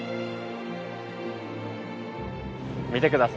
見て下さい。